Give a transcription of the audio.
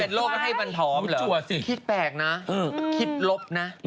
มีโรคให้มันท้อมหรือคิดแปลกนะคิดลบนะ